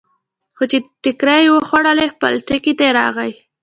خو چې ټکرې یې وخوړلې، خپل ټکي ته راغی.